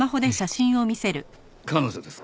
彼女です。